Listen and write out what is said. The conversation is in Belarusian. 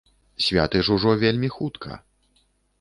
Святы ж ужо вельмі хутка.